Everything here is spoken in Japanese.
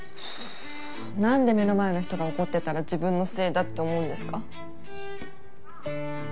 なんで目の前の人が怒ってたら自分のせいだって思うんですか？